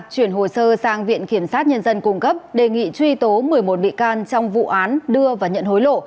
chuyển hồ sơ sang viện kiểm sát nhân dân cung cấp đề nghị truy tố một mươi một bị can trong vụ án đưa và nhận hối lộ